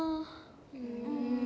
うん。